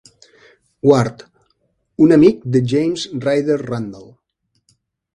Ward, un amic de James Ryder Randall.